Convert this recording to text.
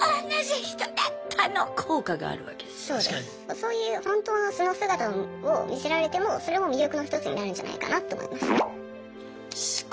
そういう本当の素の姿を見せられてもそれも魅力のひとつになるんじゃないかなと思います。